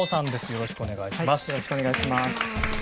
よろしくお願いします。